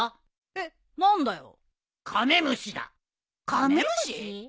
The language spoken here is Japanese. カメムシ？